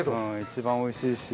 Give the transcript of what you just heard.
一番おいしいし。